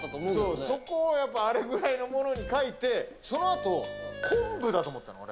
そう、そこはあれぐらいのものを描いて、そのあと、昆布だと思ったの、あれ。